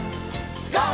ＧＯ！